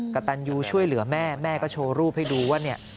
กระตันยูช่วยเหลือแม่แม่ก็โชว์รูปให้ดูว่าเนี่ย